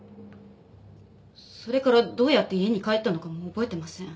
それからどうやって家に帰ったのかも覚えてません。